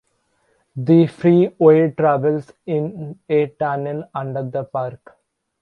The freeway travels in a tunnel under the park.